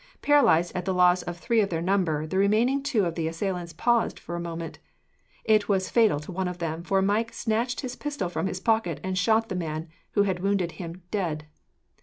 Paralysed at the loss of three of their number, the remaining two of the assailants paused, for a moment. It was fatal to one of them, for Mike snatched his pistol from his pocket, and shot the man who had wounded him, dead.